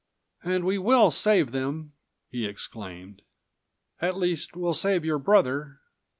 "And we will save them," he exclaimed. "At least we'll save your brother."